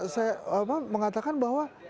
saya mengatakan bahwa